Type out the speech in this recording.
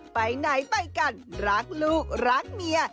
ไปไหนไปกันรักลูกรักเมีย